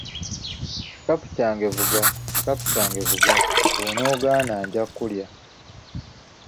“Kikapu kyange vuga, Kikapu kyange vuga, Bw’onoogaana nja kulya.”